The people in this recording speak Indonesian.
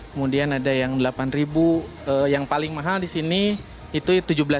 kemudian ada yang rp delapan yang paling mahal di sini itu rp tujuh belas